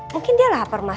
mungkin dia lapar mas